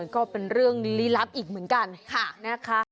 ก็เป็นเรื่องลิลับอีกเหมือนกัน